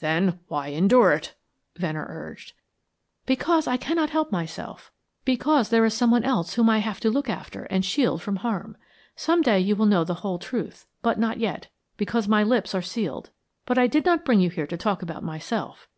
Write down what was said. "Then, why endure it?" Venner urged. "Because I cannot help myself. Because there is someone else whom I have to look after and shield from harm. Some day you will know the whole truth, but not yet, because my lips are sealed. But I did not bring you here to talk about myself.